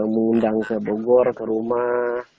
mengundang ke bogor ke rumah